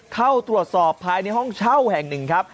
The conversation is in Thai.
เข้าตรวจสอบภายในห้องเช่าแห่งหนึ่งครับ